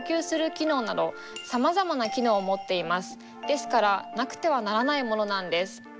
ですからなくてはならないものなんです。